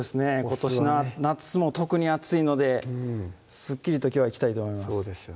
今年の夏も特に暑いのですっきりときょうはいきたいと思います